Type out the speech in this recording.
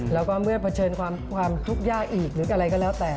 แล้วก็เมื่อเผชิญความทุกข์ยากอีกหรืออะไรก็แล้วแต่